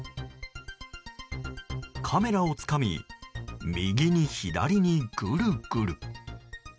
カメラをつかみ右に左にぐるぐる。